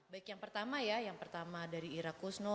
baik yang pertama ya yang pertama dari ira kusno